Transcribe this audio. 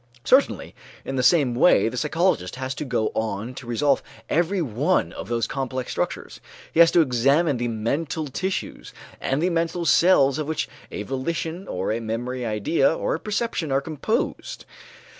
Certainly in the same way the psychologist has to go on to resolve every one of those complex structures; he has to examine the mental tissues and the mental cells of which a volition or a memory idea or a perception are composed.